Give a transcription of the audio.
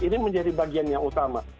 ini menjadi bagian yang utama